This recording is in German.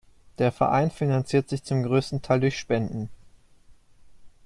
Der Verein finanziert sich zum größten Teil durch Spenden.